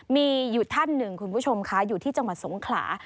มีอยู่ท่านหนึ่งคุณผู้ชมค่ะอยู่ที่จังหวัดสงขลา